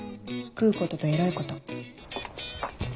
食うこととエロいこと。